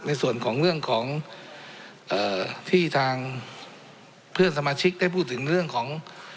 ในส่วนของเรื่องของที่ทางเพื่อนสมาชิกได้พูดถึงเรื่องของ